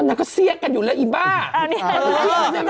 นางก็เสี้ยกันอยู่แล้วอีบ้า